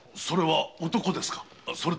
それは男ですか？